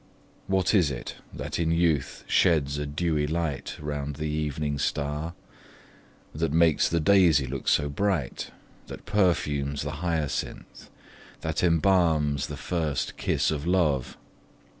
What is it that in youth sheds a dewy light round the evening star? That makes the daisy look so bright? That perfumes the hyacinth? That embalms the first kiss of love?